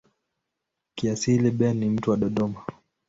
Kiasili Ben ni mtu wa Dodoma.